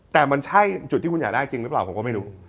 แต่มันใช่จุดที่คุณอยากได้จริงหรือเปล่าผมก็ไม่รู้